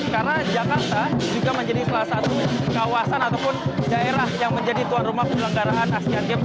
karena jakarta juga menjadi salah satu kawasan ataupun daerah yang menjadi tuan rumah pembelenggaraan asean games